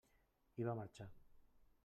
I va marxar.